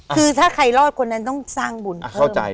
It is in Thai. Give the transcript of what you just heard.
คือถ้าใครรอดคนนั้นต้องสร้างบุญเข้าใจ